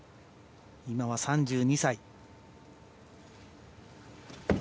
今は３２歳。